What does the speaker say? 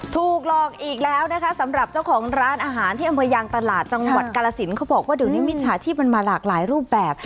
ถูกหลอกอีกแล้วนะคะสำหรับเจ้าของร้านอาหารที่อำเภอยางตลาดจังหวัดกาลสินเขาบอกว่าเดี๋ยวนี้มิจฉาชีพมันมาหลากหลายรูปแบบ